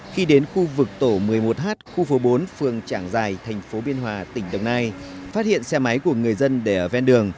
khi đến khu vực tổ một mươi một h khu phố bốn phường trảng giài thành phố biên hòa tỉnh đồng nai phát hiện xe máy của người dân để ở ven đường